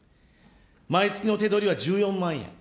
毎月の手取りは１４万円。